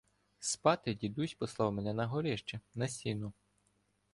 Спати дідусь послав мене на горище, на сіно.